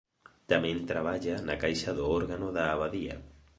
Tamén traballa na caixa do órgano da Abadía.